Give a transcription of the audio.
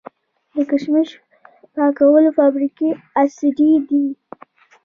د کشمش پاکولو فابریکې عصري دي؟